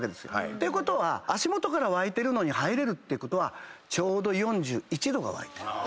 てことは足元から湧いてるのに入れるってことはちょうど４１℃が湧いてる。